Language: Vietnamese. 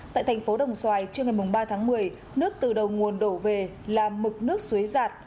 tại thành phố đồng xoài trước ngày ba tháng một mươi nước từ đầu nguồn đổ về là mực nước suối giạt